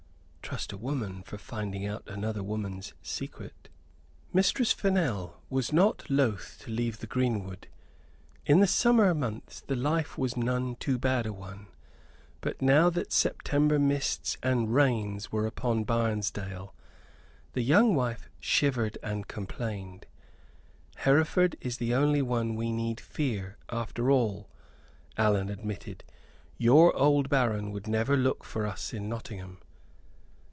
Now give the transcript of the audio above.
Trust a woman for finding out another woman's secret!" Mistress Fennel was not loth to leave the greenwood. In the summer months the life was none too bad a one, but now that September mists and rains were upon Barnesdale, the young wife shivered and complained. "Hereford is the only one we need fear, after all," Allan admitted; "your old baron would never look for us in Nottingham."